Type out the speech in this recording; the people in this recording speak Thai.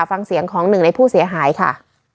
ฟังเสียงของหนึ่งในผู้เสียหายค่ะ